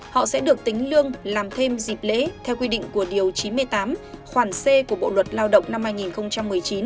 họ sẽ được tính lương làm thêm dịp lễ theo quy định của điều chín mươi tám khoản c của bộ luật lao động năm hai nghìn một mươi chín